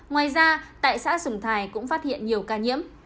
ngoài ra tại xã sùng thái cũng phát hiện nhiều ca nhiễm